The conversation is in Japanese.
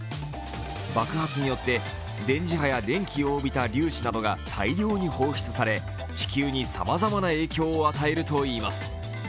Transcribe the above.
爆発によって電磁波や電気を帯びた粒子などが大量に放出され地球にさまざまな影響を与えるといいます。